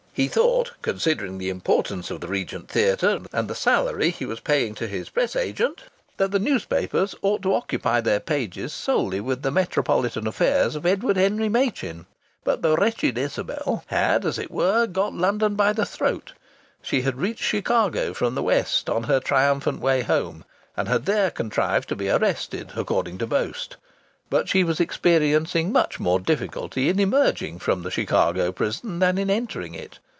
He thought, considering the importance of the Regent Theatre and the salary he was paying to his press agent, that the newspapers ought to occupy their pages solely with the metropolitan affairs of Edward Henry Machin. But the wretched Isabel had, as it were, got London by the throat. She had reached Chicago from the West, on her triumphant way home, and had there contrived to be arrested, according to boast, but she was experiencing much more difficulty in emerging from the Chicago prison than in entering it.